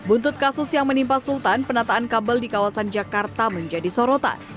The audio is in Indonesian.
untuk kasus yang menimpa sultan penataan kabel di kawasan jakarta menjadi sorotan